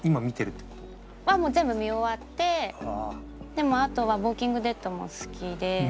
でもあとは『ウォーキング・デッド』も好きで。